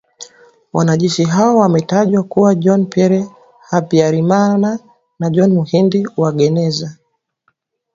Wanajeshi hao wametajwa kuwa Jean Pierre Habyarimana na John Muhindi Uwajeneza.